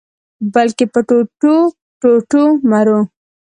بلکي په ټوټو-ټوټو مرو